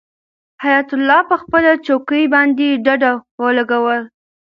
حیات الله په خپله چوکۍ باندې ډډه ولګوله.